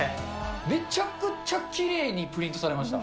めちゃくちゃきれいにプリントされました。